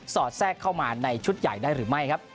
อดแทรกเข้ามาในชุดใหญ่ได้หรือไม่ครับ